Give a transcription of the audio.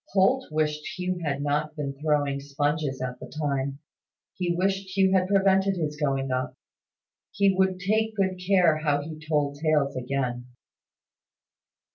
Holt wished Hugh had not been throwing sponges at the time: he wished Hugh had prevented his going up. He would take good care how he told tales again.